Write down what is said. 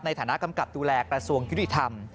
ในฐานะกำกับดูแลกระทรวงยุติธรรม